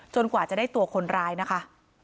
กว่าจะได้ตัวคนร้ายนะคะ